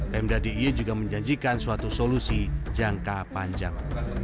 pm dadi iye juga menjanjikan suatu solusi jangka panjang